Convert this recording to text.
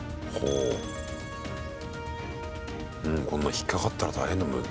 うん、こんな引っ掛かったら、大変だもん。